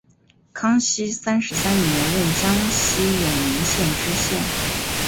康熙三十三年任江西永宁县知县。